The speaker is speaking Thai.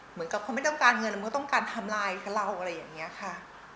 เหมือนกับเขาไม่ต้องการเงินมันก็ต้องการทำลายเราอะไรอย่างนี้ค่ะ